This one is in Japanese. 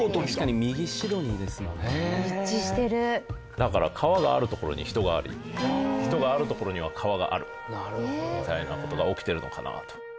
だから川がある所に人があり人がある所には川があるみたいな事が起きてるのかなと。